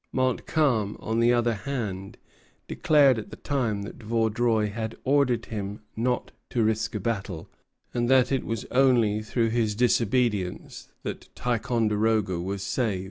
Montcalm, on the other hand, declared at the time that Vaudreuil had ordered him not to risk a battle, and that it was only through his disobedience that Ticonderoga was saved.